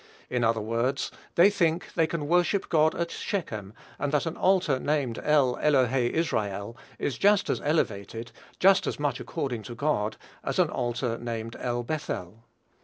In other words, they think they can worship God at Shechem; and that an altar named "El elohe Israel" is just as elevated, just as much according to God, as an altar named "El Bethel."